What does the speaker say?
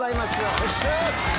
よっしゃ！